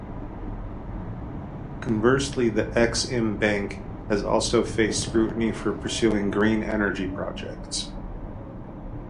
Conversely the Ex-Im Bank has also faced scrutiny for pursuing green energy projects.